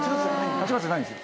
８月じゃないんですよ。